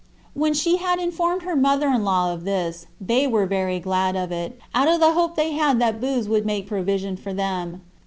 4. When she had informed her mother in law of this, they were very glad of it, out of the hope they had that Booz would make provision for them.